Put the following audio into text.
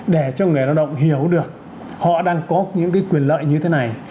để cho người lao động hiểu được họ đang có những quyền lợi như thế này